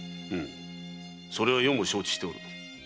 うむそれは余も承知しておる。